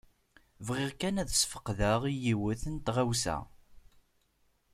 Bɣiɣ kan ad ssfeqdeɣ i yiwet n tɣawsa.